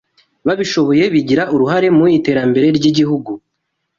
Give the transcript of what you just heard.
babishoboye bigira uruhare mu iterambere ry'igihugu